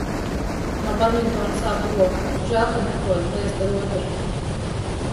No badmintona sāp roka. Žēl, ka neprotu bliezt ar otru.